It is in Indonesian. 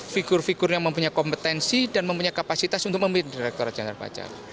figur figur yang mempunyai kompetensi dan mempunyai kapasitas untuk memilih direkturat jangkar pajak